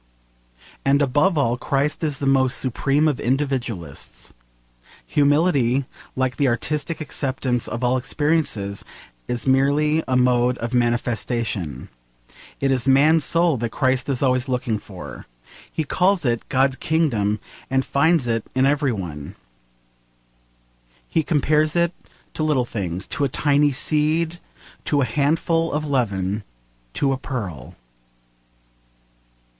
And above all, Christ is the most supreme of individualists. Humility, like the artistic, acceptance of all experiences, is merely a mode of manifestation. It is man's soul that Christ is always looking for. He calls it 'God's Kingdom,' and finds it in every one. He compares it to little things, to a tiny seed, to a handful of leaven, to a pearl.